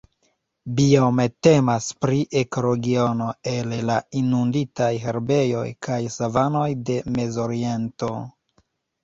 Biome temas pri ekoregiono el la inunditaj herbejoj kaj savanoj de Mezoriento.